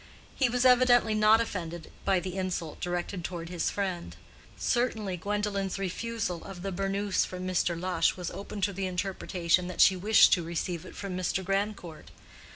He was evidently not offended by the insult directed toward his friend. Certainly Gwendolen's refusal of the burnous from Mr. Lush was open to the interpretation that she wished to receive it from Mr. Grandcourt.